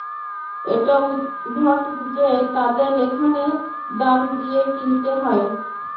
এটা উদ্ভট যে তোমাদের এখানে দাম দিয়ে কিনতে হয়।